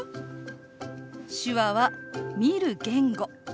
手話は見る言語。